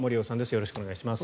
よろしくお願いします。